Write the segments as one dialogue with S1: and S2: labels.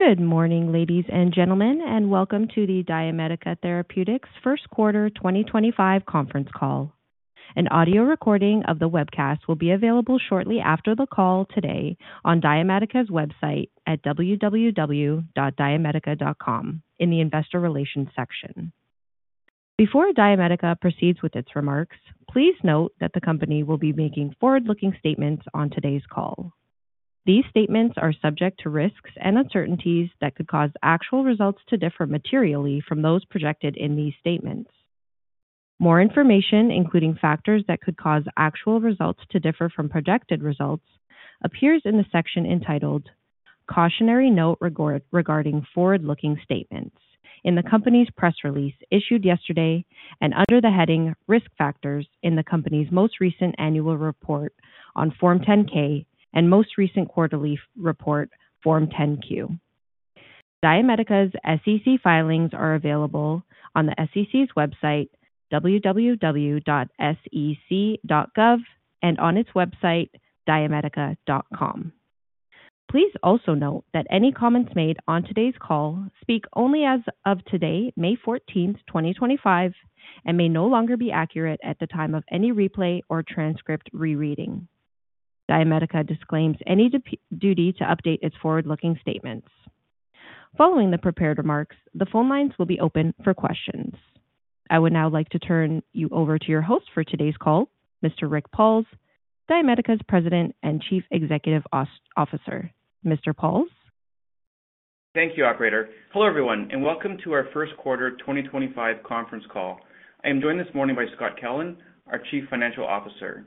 S1: Good morning, ladies and gentlemen, and welcome to the DiaMedica Therapeutics First Quarter 2025 conference call. An audio recording of the webcast will be available shortly after the call today on DiaMedica's website at www.diamedica.com in the Investor Relations section. Before DiaMedica proceeds with its remarks, please note that the company will be making forward-looking statements on today's call. These statements are subject to risks and uncertainties that could cause actual results to differ materially from those projected in these statements. More information, including factors that could cause actual results to differ from projected results, appears in the section entitled Cautionary Note Regarding Forward-Looking Statements in the company's press release issued yesterday and under the heading Risk Factors in the company's most recent annual report on Form 10-K and most recent quarterly report Form 10-Q. DiaMedica's SEC filings are available on the SEC's website, www.sec.gov, and on its website, diamedica.com. Please also note that any comments made on today's call speak only as of today, May 14, 2025, and may no longer be accurate at the time of any replay or transcript rereading. DiaMedica disclaims any duty to update its forward-looking statements. Following the prepared remarks, the phone lines will be open for questions. I would now like to turn you over to your host for today's call, Mr. Rick Pauls, DiaMedica's President and Chief Executive Officer. Mr. Pauls?
S2: Thank you, Operator. Hello, everyone, and welcome to our First Quarter 2025 conference call. I am joined this morning by Scott Kellen, our Chief Financial Officer.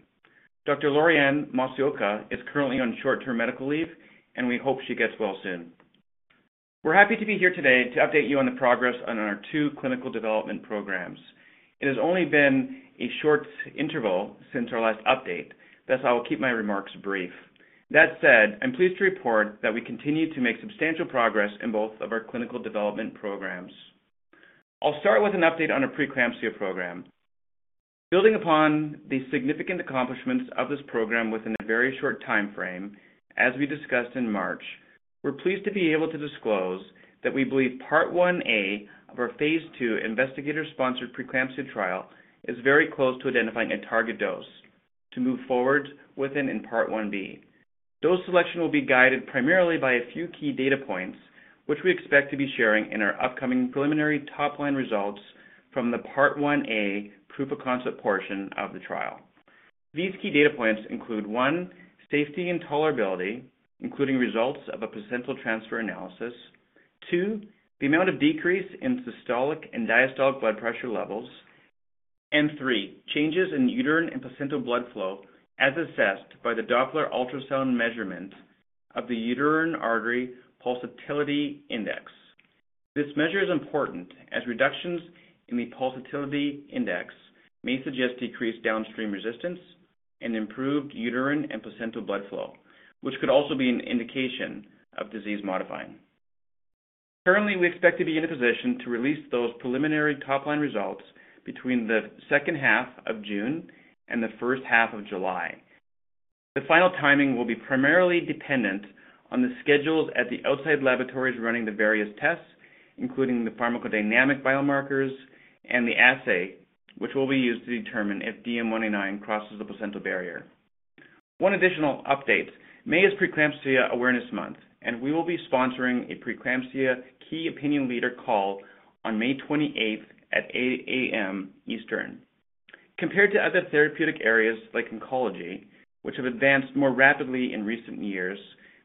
S2: Dr. Lorianne Masuoka is currently on short-term medical leave, and we hope she gets well soon. We're happy to be here today to update you on the progress on our two clinical development programs. It has only been a short interval since our last update, thus I will keep my remarks brief. That said, I'm pleased to report that we continue to make substantial progress in both of our clinical development programs. I'll start with an update on our pre-eclampsia program. Building upon the significant accomplishments of this program within a very short time frame, as we discussed in March, we're pleased to be able to disclose that we believe Part 1A of our phase 2A investigator-sponsored pre-eclampsia trial is very close to identifying a target dose to move forward within Part 1B. Dose selection will be guided primarily by a few key data points, which we expect to be sharing in our upcoming preliminary top-line results from the Part 1A proof-of-concept portion of the trial. These key data points include: one, safety and tolerability, including results of a placental transfer analysis; two, the amount of decrease in systolic and diastolic blood pressure levels; and three, changes in uterine and placental blood flow as assessed by the Doppler ultrasound measurement of the uterine artery pulsatility index. This measure is important as reductions in the pulsatility index may suggest decreased downstream resistance and improved uterine and placental blood flow, which could also be an indication of disease modifying. Currently, we expect to be in a position to release those preliminary top-line results between the second half of June and the first half of July. The final timing will be primarily dependent on the schedules at the outside laboratories running the various tests, including the pharmacodynamic biomarkers and the assay, which will be used to determine if DM199 crosses the placental barrier. One additional update: May is Pre-eclampsia Awareness Month, and we will be sponsoring a Pre-eclampsia Key Opinion Leader call on May 28th at 8:00 A.M. Eastern. Compared to other therapeutic areas like oncology, which have advanced more rapidly in recent years,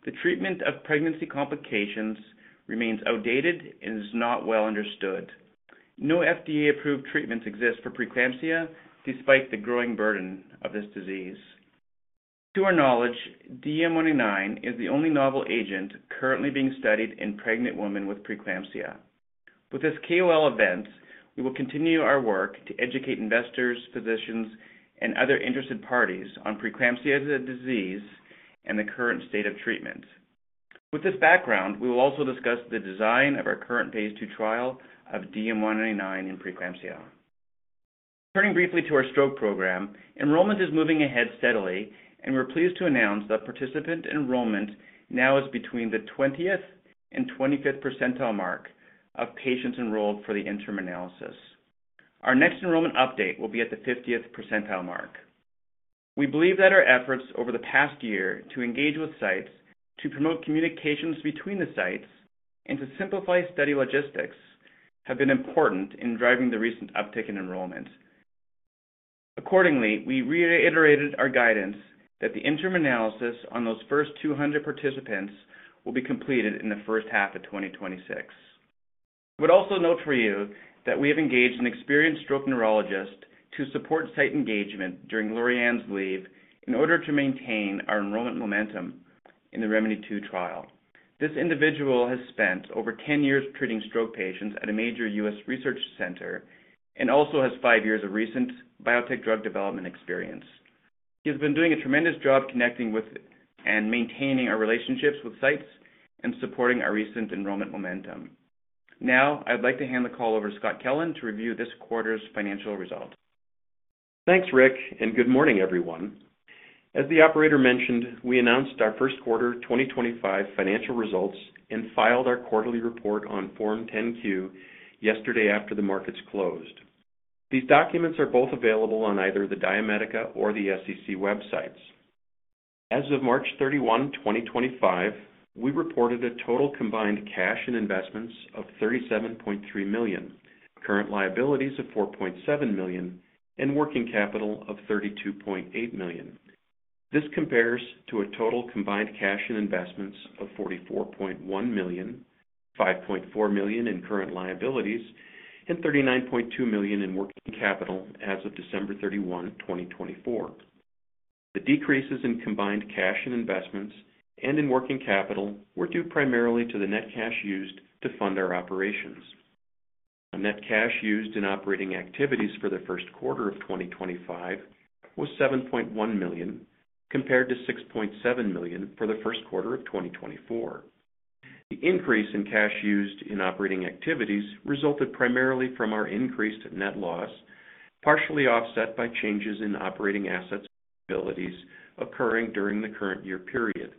S2: the treatment of pregnancy complications remains outdated and is not well understood. No FDA-approved treatments exist for pre-eclampsia despite the growing burden of this disease. To our knowledge, DM199 is the only novel agent currently being studied in pregnant women with pre-eclampsia. With this KOL event, we will continue our work to educate investors, physicians, and other interested parties on pre-eclampsia as a disease and the current state of treatment. With this background, we will also discuss the design of our current phase 2 trial of DM199 in pre-eclampsia. Turning briefly to our stroke program, enrollment is moving ahead steadily, and we're pleased to announce that participant enrollment now is between the 20% and 25% mark of patients enrolled for the interim analysis. Our next enrollment update will be at the 50% mark. We believe that our efforts over the past year to engage with sites to promote communications between the sites and to simplify study logistics have been important in driving the recent uptick in enrollment. Accordingly, we reiterated our guidance that the interim analysis on those first 200 participants will be completed in the first half of 2026. I would also note for you that we have engaged an experienced stroke neurologist to support site engagement during Lorianne's leave in order to maintain our enrollment momentum in the ReMEDy2 trial. This individual has spent over 10 years treating stroke patients at a major U.S. research center and also has five years of recent biotech drug development experience. He has been doing a tremendous job connecting with and maintaining our relationships with sites and supporting our recent enrollment momentum. Now, I'd like to hand the call over to Scott Kellen to review this quarter's financial results.
S3: Thanks, Rick, and good morning, everyone. As the Operator mentioned, we announced our first quarter 2025 financial results and filed our quarterly report on Form 10-Q yesterday after the markets closed. These documents are both available on either the DiaMedica or the SEC websites. As of March 31, 2025, we reported a total combined cash and investments of $37.3 million, current liabilities of $4.7 million, and working capital of $32.8 million. This compares to a total combined cash and investments of $44.1 million, $5.4 million in current liabilities, and $39.2 million in working capital as of December 31, 2024. The decreases in combined cash and investments and in working capital were due primarily to the net cash used to fund our operations. Net cash used in operating activities for the first quarter of 2025 was $7.1 million, compared to $6.7 million for the first quarter of 2024. The increase in cash used in operating activities resulted primarily from our increased net loss, partially offset by changes in operating assets and liabilities occurring during the current year period.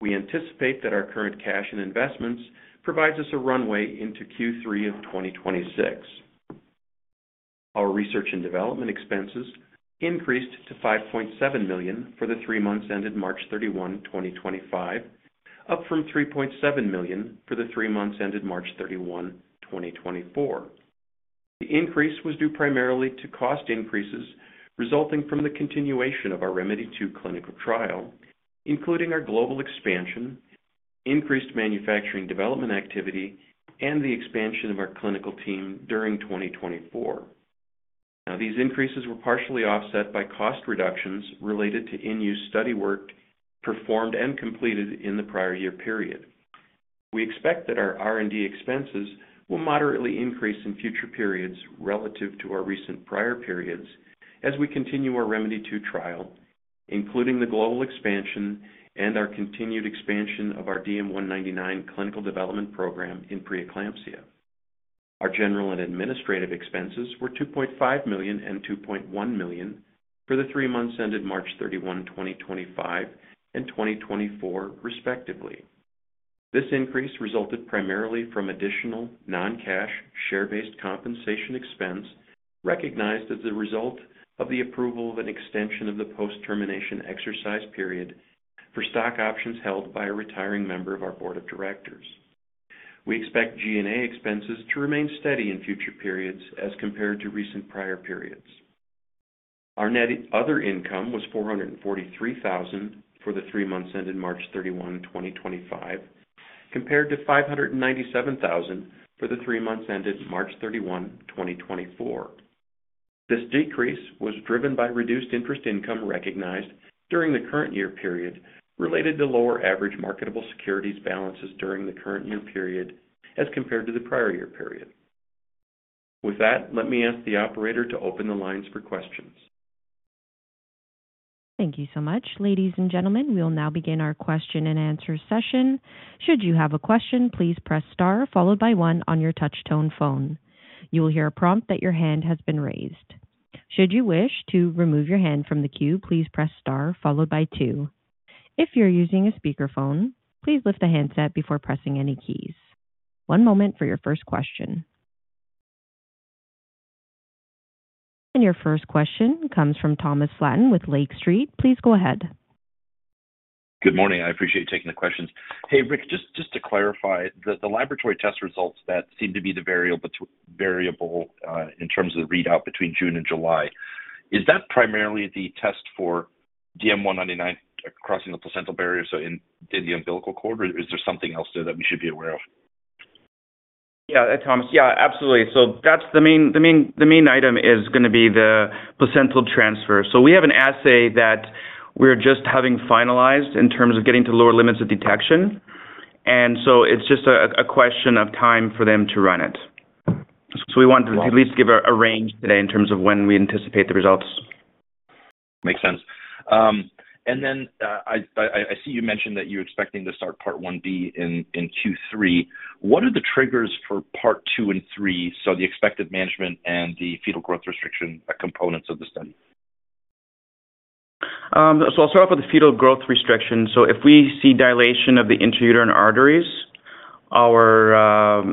S3: We anticipate that our current cash and investments provide us a runway into Q3 of 2026. Our research and development expenses increased to $5.7 million for the three months ended March 31st, 2025, up from $3.7 million for the three months ended March 31, 2024. The increase was due primarily to cost increases resulting from the continuation of our ReMEDy2 clinical trial, including our global expansion, increased manufacturing development activity, and the expansion of our clinical team during 2024. These increases were partially offset by cost reductions related to in-use study work performed and completed in the prior year period. We expect that our R&D expenses will moderately increase in future periods relative to our recent prior periods as we continue our ReMEDy2 trial, including the global expansion and our continued expansion of our DM199 clinical development program in pre-eclampsia. Our general and administrative expenses were $2.5 million and $2.1 million for the three months ended March 31, 2025, and 2024, respectively. This increase resulted primarily from additional non-cash share-based compensation expense recognized as a result of the approval of an extension of the post-termination exercise period for stock options held by a retiring member of our board of directors. We expect G&A expenses to remain steady in future periods as compared to recent prior periods. Our net other income was $443,000 for the three months ended March 31, 2025, compared to $597,000 for the three months ended March 31, 2024. This decrease was driven by reduced interest income recognized during the current year period related to lower average marketable securities balances during the current year period as compared to the prior year period. With that, let me ask the Operator to open the lines for questions.
S1: Thank you so much. Ladies and gentlemen, we will now begin our question and answer session. Should you have a question, please press star followed by one on your touch-tone phone. You will hear a prompt that your hand has been raised. Should you wish to remove your hand from the queue, please press star followed by two. If you're using a speakerphone, please lift the handset before pressing any keys. One moment for your first question. Your first question comes from Thomas Flaten with Lake Street. Please go ahead.
S4: Good morning. I appreciate taking the questions. Hey, Rick, just to clarify, the laboratory test results that seem to be the variable in terms of the readout between June and July, is that primarily the test for DM199 crossing the placental barrier, so in the umbilical cord, or is there something else there that we should be aware of?
S2: Yeah, Thomas. Yeah, absolutely. That's the main item, is going to be the placental transfer. We have an assay that we're just having finalized in terms of getting to lower limits of detection, and it's just a question of time for them to run it. We wanted to at least give a range today in terms of when we anticipate the results.
S4: Makes sense. I see you mentioned that you're expecting to start Part 1B in Q3. What are the triggers for part II and part III, so the expected management and the fetal growth restriction components of the study?
S2: I'll start off with the fetal growth restriction. If we see dilation of the intrauterine arteries, our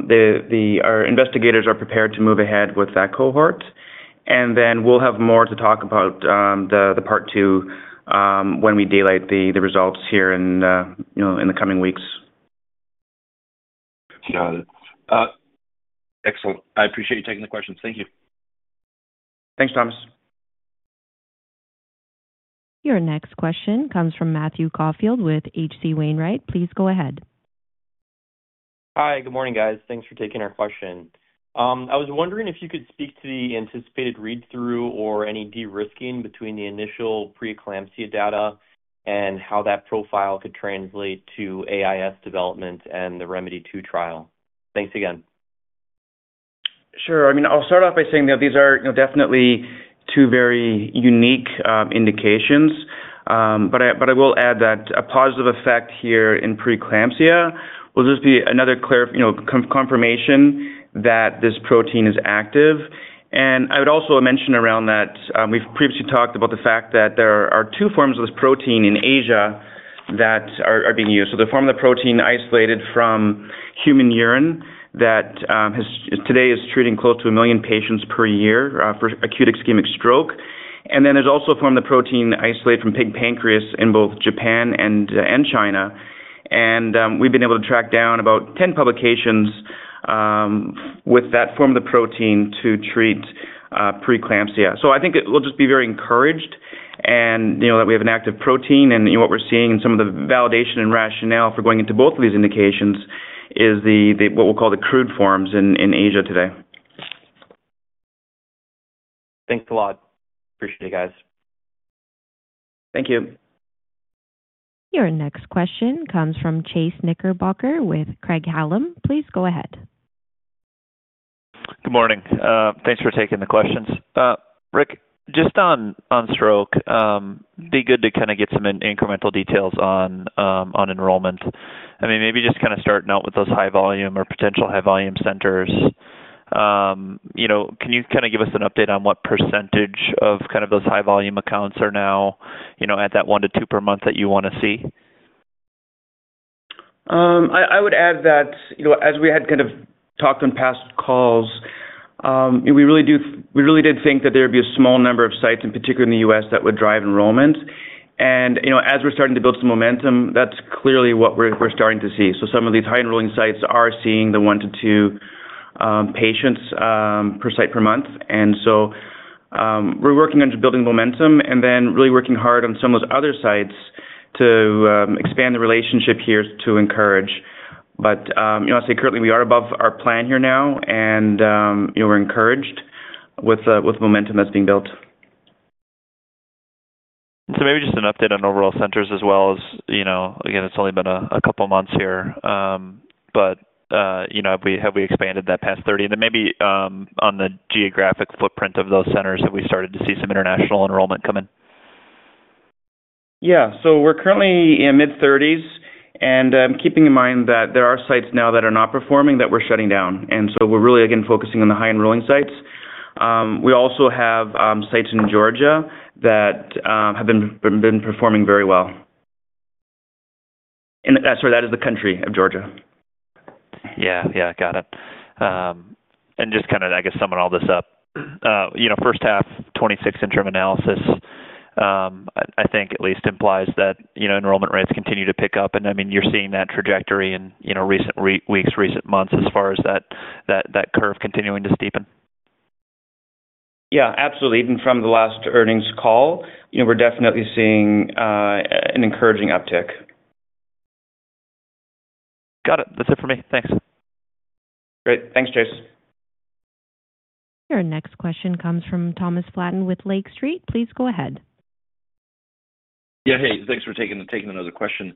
S2: investigators are prepared to move ahead with that cohort. We'll have more to talk about the part II when we daylight the results here in the coming weeks.
S4: Got it. Excellent. I appreciate you taking the questions. Thank you.
S2: Thanks, Thomas.
S1: Your next question comes from Matthew Caulfield with H.C. Wainwright. Please go ahead.
S5: Hi, good morning, guys. Thanks for taking our question. I was wondering if you could speak to the anticipated read-through or any de-risking between the initial pre-eclampsia data and how that profile could translate to AIS development and the ReMEDy2 trial. Thanks again.
S2: Sure. I mean, I'll start off by saying that these are definitely two very unique indications. I will add that a positive effect here in pre-eclampsia will just be another confirmation that this protein is active. I would also mention around that we've previously talked about the fact that there are two forms of this protein in Asia that are being used. There is a form of the protein isolated from human urine that today is treating close to 1 million patients per year for acute ischemic stroke. There is also a form of the protein isolated from pig pancreas in both Japan and China. We've been able to track down about 10 publications with that form of the protein to treat pre-eclampsia. I think it will just be very encouraging that we have an active protein. What we are seeing in some of the validation and rationale for going into both of these indications is what we will call the crude forms in Asia today.
S5: Thanks a lot. Appreciate it, guys.
S2: Thank you.
S1: Your next question comes from Chase Knickerbocker with Craig-Hallum. Please go ahead.
S6: Good morning. Thanks for taking the questions. Rick, just on stroke, it'd be good to kind of get some incremental details on enrollment. I mean, maybe just kind of starting out with those high-volume or potential high-volume centers. Can you kind of give us an update on what percentage of kind of those high-volume accounts are now at that one to two per month that you want to see?
S2: I would add that as we had kind of talked on past calls, we really did think that there would be a small number of sites, in particular in the U.S., that would drive enrollment. As we're starting to build some momentum, that's clearly what we're starting to see. Some of these high-enrolling sites are seeing the one to two patients per site per month. We are working on just building momentum and then really working hard on some of those other sites to expand the relationship here to encourage. I'd say currently we are above our plan here now, and we're encouraged with the momentum that's being built.
S6: Maybe just an update on overall centers as well as, again, it's only been a couple of months here. Have we expanded that past 30? Then maybe on the geographic footprint of those centers, have we started to see some international enrollment come in?
S2: Yeah. We are currently in the mid-30s. Keeping in mind that there are sites now that are not performing that we are shutting down. We are really, again, focusing on the high-enrolling sites. We also have sites in Georgia that have been performing very well. Sorry, that is the country of Georgia.
S6: Yeah. Yeah. Got it. And just kind of, I guess, summing all this up, first half 2026 interim analysis, I think at least implies that enrollment rates continue to pick up. I mean, you're seeing that trajectory in recent weeks, recent months as far as that curve continuing to steepen?
S2: Yeah, absolutely. Even from the last earnings call, we're definitely seeing an encouraging uptick.
S6: Got it. That's it for me. Thanks.
S2: Great. Thanks, Chase.
S1: Your next question comes from Thomas Flaten with Lake Street. Please go ahead.
S4: Yeah. Hey, thanks for taking another question.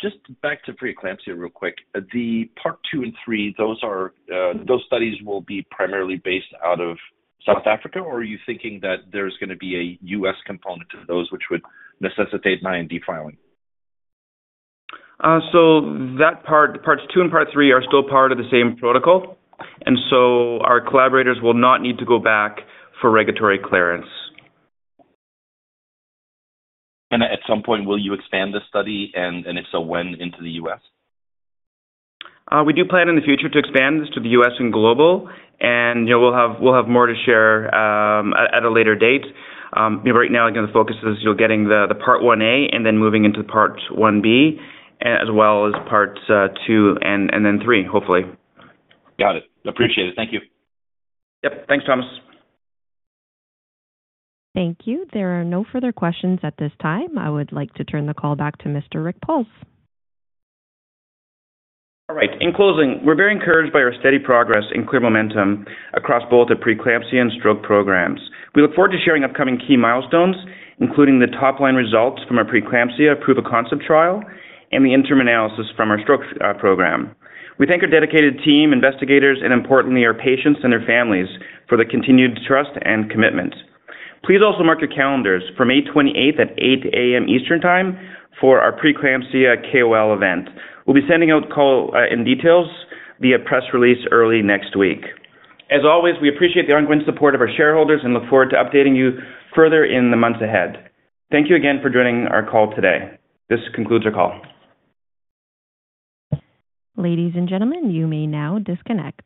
S4: Just back to pre-eclampsia real quick. The part II and part III, those studies will be primarily based out of South Africa, or are you thinking that there's going to be a U.S. component to those which would necessitate IND filing?
S2: That part, part II and part III are still part of the same protocol. Our collaborators will not need to go back for regulatory clearance.
S4: At some point, will you expand the study? If so, when into the U.S.?
S2: We do plan in the future to expand this to the U.S. and global. We will have more to share at a later date. Right now, again, the focus is getting the Part 1A and then moving into Part 1B as well as part II and then part III, hopefully.
S4: Got it. Appreciate it. Thank you.
S2: Yep. Thanks, Thomas.
S1: Thank you. There are no further questions at this time. I would like to turn the call back to Mr. Rick Pauls.
S5: All right. In closing, we're very encouraged by our steady progress and clear momentum across both the pre-eclampsia and stroke programs. We look forward to sharing upcoming key milestones, including the top-line results from our pre-eclampsia proof-of-concept trial and the interim analysis from our stroke program. We thank our dedicated team, investigators, and importantly, our patients and their families for the continued trust and commitment. Please also mark your calendars for May 28 at 8:00 A.M. Eastern Time for our pre-eclampsia KOL event. We'll be sending out the call-in details via press release early next week. As always, we appreciate the ongoing support of our shareholders and look forward to updating you further in the months ahead. Thank you again for joining our call today. This concludes our call.
S1: Ladies and gentlemen, you may now disconnect.